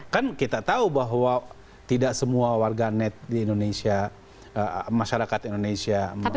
kan kita tahu bahwa tidak semua warga net di indonesia masyarakat indonesia